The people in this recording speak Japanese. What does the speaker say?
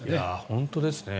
本当ですね。